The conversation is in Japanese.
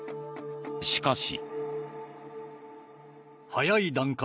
しかし。